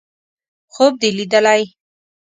_خوب دې ليدلی!